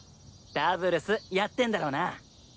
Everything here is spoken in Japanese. ダブルスやってんだろうな。